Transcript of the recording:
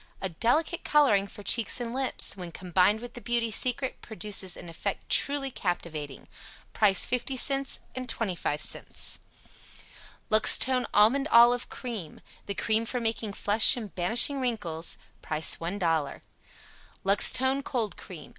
A delicate coloring for cheeks and lips; when combined with the "Beauty Secret," produces an effect truly captivating. Price 50c, 25c. LUXTONE ALMONDOLIVE CREAM. The cream for making flesh and banishing wrinkles. Price $1.00. LUXTONE COLD CREAM.